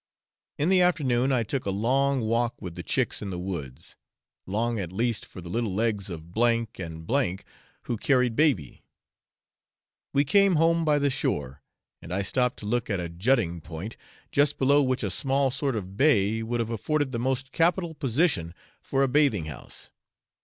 In the afternoon I took a long walk with the chicks in the woods; long at least for the little legs of S and M , who carried baby. We came home by the shore, and I stopped to look at a jutting point, just below which a small sort of bay would have afforded the most capital position for a bathing house.